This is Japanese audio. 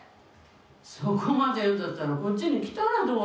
そこまで言うんだったらこっちに来たらどうよ？